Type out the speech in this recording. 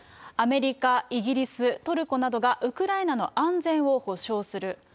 アメリカ、イギリス、トルコなどがウクライナの安全を保障する。